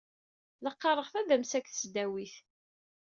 La qqareɣ tadamsa deg tesdawit.